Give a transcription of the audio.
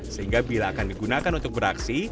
sehingga bila akan digunakan untuk beraksi